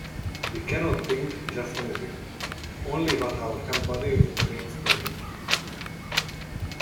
We cannot think just anything - only what our embodied brains permit.